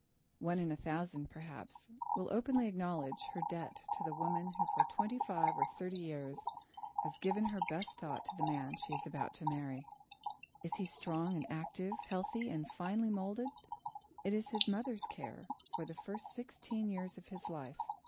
One in a thousand, perhaps, will openly acknowledge her debt to the woman who for twenty five or thirty years has given her best thought to the man she is about to marry. Is he strong and active, healthy and finely moulded? It is his mother's care for the first sixteen years of his life.